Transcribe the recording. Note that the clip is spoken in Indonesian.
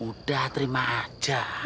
udah terima aja